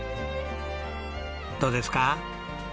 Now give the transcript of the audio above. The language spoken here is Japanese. どうですか？